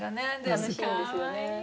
楽しいんですよね。